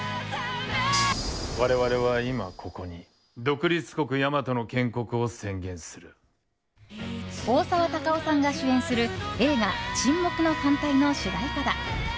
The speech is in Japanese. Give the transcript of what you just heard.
我々は今ここに独立国・大和の大沢たかおさんが主演する映画「沈黙の艦隊」の主題歌だ。